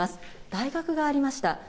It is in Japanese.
大学がありました。